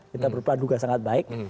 kita berdua sangat baik